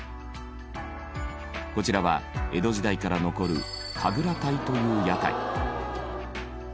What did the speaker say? こちらは江戸時代から残る神楽台という屋台。